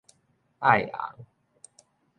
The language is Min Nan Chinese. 愛紅